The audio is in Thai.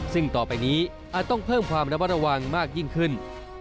ซึ่งต่อไปนี้อาจต้องเพิ่มความระมัดระวังมากยิ่งขึ้น